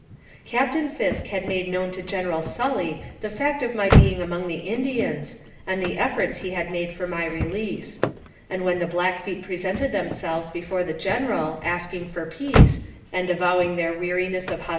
Captain Fisk had made known to General Sully the fact of my being among the Indians, and the ef forts he had made for my release; and when the Blackfeet presented themselves before the General, asking for peace, and avowing their weariness of hos AMONG THE SIOUX INDIANS.